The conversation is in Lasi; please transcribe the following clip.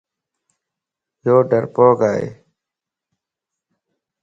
يو ڊرپوڪ ائي